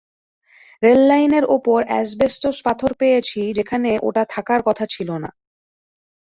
রেললাইনের ওপর অ্যাসবেস্টস পাথর পেয়েছি, যেখানে ওটা থাকার কথা ছিল না।